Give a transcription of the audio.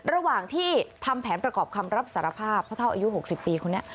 ระหว่างที่ทำแผนประกอบคำรับสารภาพพ่อเท่าอายุ๖๐ปีคนนี้